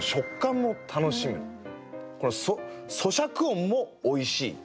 このそしゃく音もおいしい。